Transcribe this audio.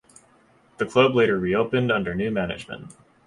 The club later re-opened under new management.